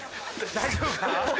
大丈夫か？